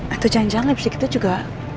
itu jangan jangan lipstick itu juga